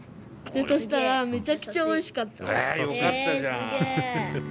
そしたらめちゃくちゃ、おいしかった。